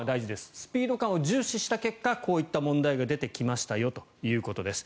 スピード感を重視した結果こういった問題が出てきましたよということです。